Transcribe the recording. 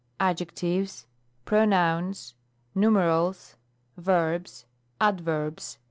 n. Adjectives. n. Pronouns. rV". Numerals. V. Verbs. VI. Adverbs.